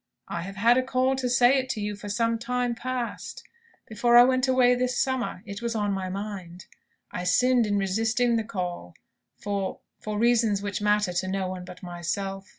"I have had a call to say it to you, for some time past. Before I went away this summer it was on my mind. I sinned in resisting the call, for for reasons which matter to no one but myself.